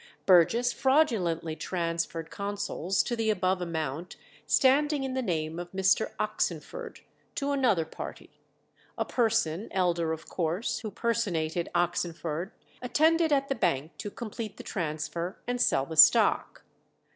Burgess fraudulently transferred consols to the above amount, standing in the name of Mr. Oxenford, to another party. A person, Elder of course, who personated Oxenford, attended at the bank to complete the transfer and sell the stock.